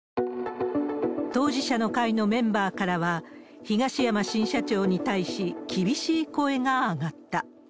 当事者の会のメンバーからは、東山新社長に対し厳しい声が上がった。